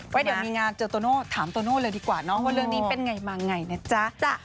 ก็เดี๋ยวมีงานเจอโตโน่ถามโตโน่เลยดีกว่าเนาะว่าเรื่องนี้เป็นไงมาไงนะจ๊ะ